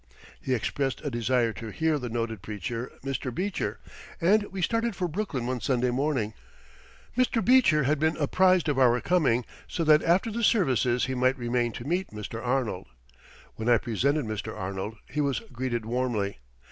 He expressed a desire to hear the noted preacher, Mr. Beecher; and we started for Brooklyn one Sunday morning. Mr. Beecher had been apprized of our coming so that after the services he might remain to meet Mr. Arnold. When I presented Mr. Arnold he was greeted warmly.